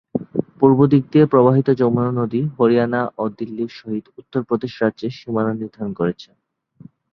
পূর্ব দিক দিয়ে প্রবাহিত যমুনা নদী হরিয়ানা ও দিল্লির সহিত উত্তরপ্রদেশ রাজ্যের সীমানা নির্ধারণ করেছে।